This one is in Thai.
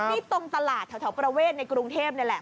นี่ตรงตลาดแถวประเวทในกรุงเทพนี่แหละ